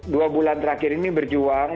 dua bulan terakhir ini berjuang